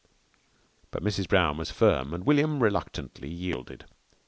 But Mrs. Brown was firm, and William reluctantly yielded.